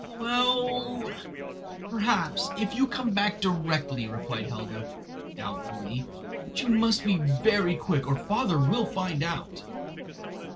"Well, perhaps, if you come back directly," replied Helga, doubtfully; "but you must be very quick, or father will find out!"